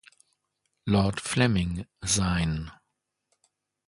Lord Fleming, sein.